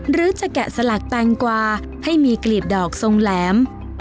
หรือจะแกะสลักแตงกวาให้มีกลีบดอกทรงแหลม